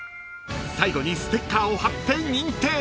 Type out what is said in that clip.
［最後にステッカーを貼って認定］